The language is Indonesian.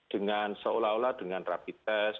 dengan seolah olah dengan rapid test